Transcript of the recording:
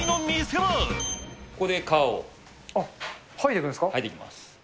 はいでいきます。